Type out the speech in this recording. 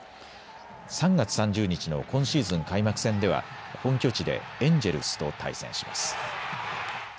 ３月３０日の今シーズン開幕戦では本拠地でエンジェルスと対戦します。